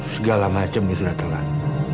segala macam dia sudah telat